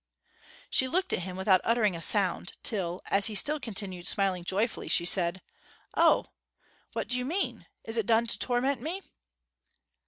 She looked at him without uttering a sound, till, as he still continued smiling joyfully, she said, 'O what do you mean? Is it done to torment me?'